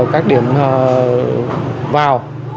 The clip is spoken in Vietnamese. các điểm vào